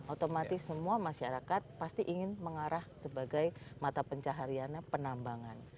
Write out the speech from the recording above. otomatis semua masyarakat pasti ingin mengarah sebagai mata pencahariannya penambangan